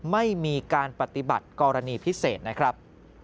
ไม่มีการปฏิบัติกรณีพิเศษนะครับ